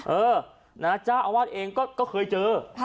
เออนะเจ้าอาวาสเองก็เคยเจอ